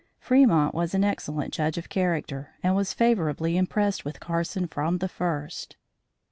Fremont was an excellent judge of character and was favorably impressed with Carson from the first.